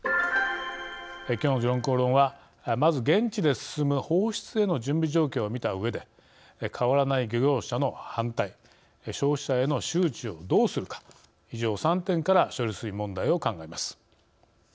「時論公論」はまず現地で進む放出への準備状況を見たうえで変わらない漁業者の反対消費者への周知をどうするか以上３点から処理水問題を考えます。